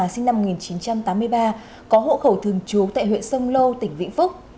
sinh năm một nghìn chín trăm tám mươi ba có hộ khẩu thường trú tại huyện sông lô tỉnh vĩnh phúc